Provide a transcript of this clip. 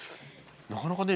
なかなかね